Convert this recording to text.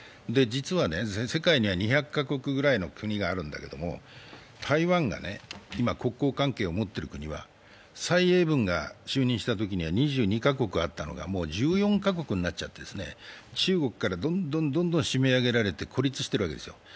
実は、世界には２００カ国くらいの国があるんだけれども、台湾が今、国交関係を持ってる国は蔡英文が就任したときには２２カ国あったのがもう１４カ国になっちゃって、中国からどんどん締め上げられて孤立しているわけですよ。